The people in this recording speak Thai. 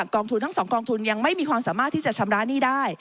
กองทุนทั้ง๒กองทุนยังไม่มีความสามารถที่จะชำระหนี้ได้